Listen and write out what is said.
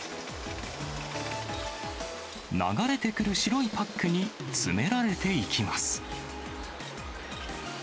流れてくる白いパックに詰められていきます。